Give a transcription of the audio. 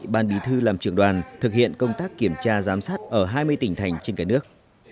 ban bí thư làm trưởng đoàn thực hiện công tác kiểm tra giám sát ở hai mươi tỉnh thành trên cả nước